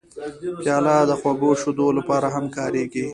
پیاله د خوږو شیدو لپاره هم کارېږي.